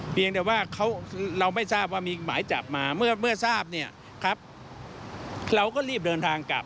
เพียงแต่ว่าเราไม่ทราบว่ามีหมายจับมาเมื่อทราบเนี่ยครับเราก็รีบเดินทางกลับ